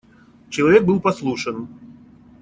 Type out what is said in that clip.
Человек был послушен.